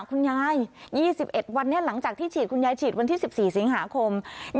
คุณยาย๒๑วันนี้หลังจากที่ฉีดคุณยายฉีดวันที่๑๔สิงหาคม